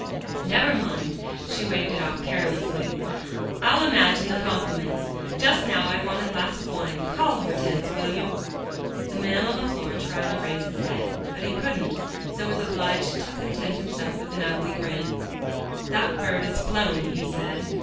"Never mind," she waved it off carelessly, "I'll imagine the compliments. Just now I want a glass of wine. Call Hortense, will you?" The man on the floor tried to raise his head. But he couldn't, so was obliged to content himself with an ugly grin. "That bird has flown," he said.